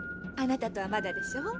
あなたとはまだでしょ。